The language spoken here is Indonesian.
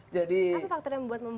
jadi apa faktornya membuat membaik